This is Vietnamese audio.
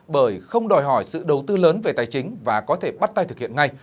bởi không đòi hỏi sự đầu tư lớn về tài chính và có thể bắt tay thực hiện ngay